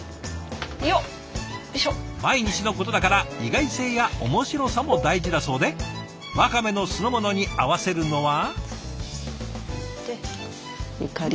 毎日のことだから意外性や面白さも大事だそうでワカメの酢の物に合わせるのは。